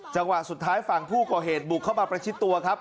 จังหวะสุดท้ายฝั่งผู้ก่อเหตุบุกเข้ามาประชิดตัวครับ